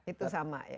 itu sama ya